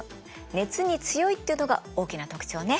熱に強いっていうのが大きな特徴ね。